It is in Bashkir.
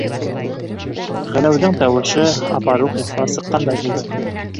- Ғәләүҙең тауышы апаруҡ ихлас сыҡҡандай булды.